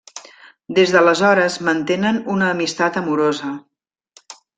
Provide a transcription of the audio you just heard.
Des d’aleshores, mantenen una amistat amorosa.